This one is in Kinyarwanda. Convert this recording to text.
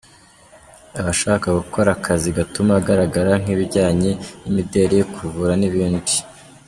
Aba ashaka gukora akazi gatuma agaragara nk’ibijyanye n’imideri, kuvura n’ibindi.